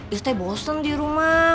is teh bosen dirumah